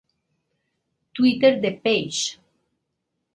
Twitter de Paige